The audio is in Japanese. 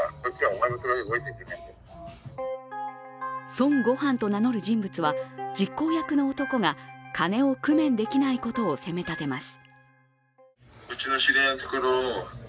孫悟飯と名乗る人物は実行役の男が金を工面できないことを責め立てます。